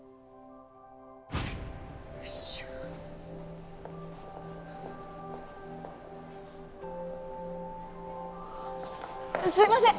よっしゃすいません